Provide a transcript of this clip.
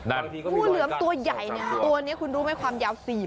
ผู้เหลือมตัวใหญ่นะตัวนี้คุณดูไหมความยาว๔เมตรเลยนะ